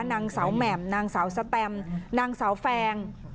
นางสาวแหม่มนางสาวสแตมนางสาวแฟง